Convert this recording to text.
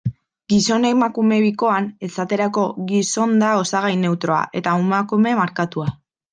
Gizon-emakume bikoan, esaterako, gizon da osagai neutroa, eta emakume markatua.